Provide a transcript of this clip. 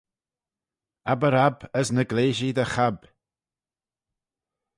Abbyr abb as ny gleashee dy cab.